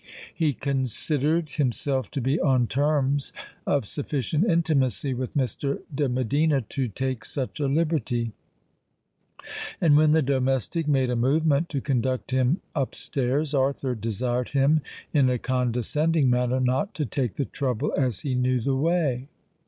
He considered himself to be on terms of sufficient intimacy with Mr. de Medina to take such a liberty; and when the domestic made a movement to conduct him up stairs, Arthur desired him in a condescending manner not to take the trouble, as he knew the way.